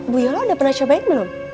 bu yono udah pernah cobain belum